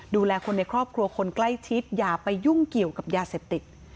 ดูแลคนในครอบครัวคนใกล้ชิดอย่าไปยุ่งเกี่ยวกับยาเสพติด